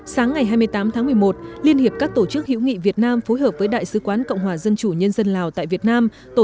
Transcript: sáng ngày hai mươi tám tháng một mươi một liên hiệp các tổ chức hữu nghị việt nam phối hợp với đại sứ quán cộng hòa dân chủ nhân dân lào tại việt nam